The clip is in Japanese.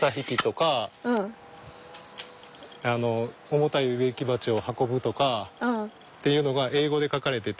重たい植木鉢を運ぶとかっていうのが英語で書かれてて。